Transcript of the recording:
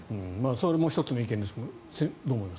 それも１つの意見ですがどう思います？